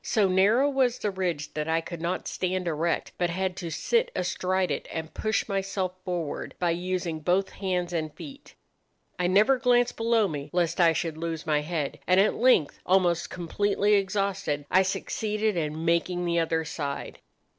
So narrow was the ridge that I could not stand erect, but had to sit astride it, and push myself forward by using both hands and feet. I never glanced below me, lest I should lose my head; and at length, almost completely exhausted, I succeeded in making the other side.